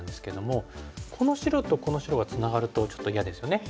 この白とこの白がツナがるとちょっと嫌ですよね。